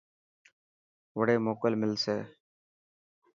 وڙي موڪو ملسي.